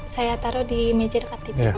saya taruh di meja dekat tiba